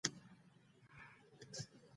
سادېزم، نارسېسېزم، اندېښنه معرفي کوي.